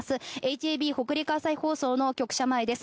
ＨＡＢ・北陸朝日放送の局舎前です。